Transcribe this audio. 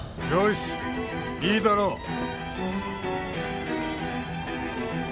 いいだろう。